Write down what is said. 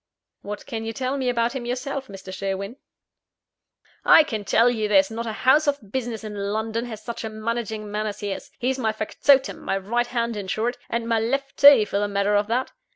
"What can you tell me about him yourself, Mr. Sherwin?" "I can tell you there's not a house of business in London has such a managing man as he is: he's my factotum my right hand, in short; and my left too, for the matter of that.